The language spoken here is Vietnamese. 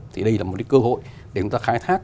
thì đây là một cơ hội để chúng ta khai thác